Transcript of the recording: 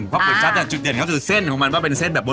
เพราะก๋วซัดจุดเด่นก็คือเส้นของมันว่าเป็นเส้นแบบบน